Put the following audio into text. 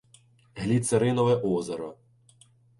Гліцеринове озеро